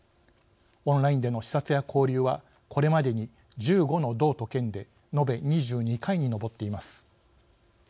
オンラインでの視察や交流はこれまでに１５の道と県で延べ２２回に上っています。